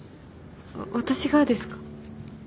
私がですか？